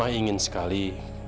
mama ingin sekali